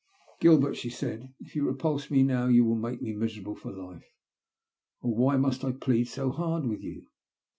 *' Gilbert," she said, " if you repulse me now you will make me miserable for hfe. Oh, why must I plead so hard with you